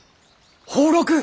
俸禄！